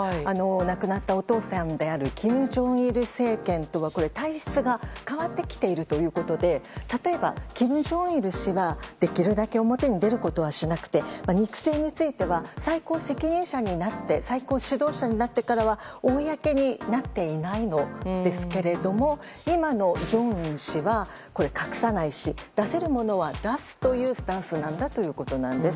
亡くなったお父さんである金正日政権とは、体質が変わってきているということで例えば金正日氏は、できるだけ表に出ることはしなくて肉声については最高責任者になって最高指導者になってからは公になっていないのですが今の正恩氏は隠さないし出せるものは出すというスタンスなんだということです。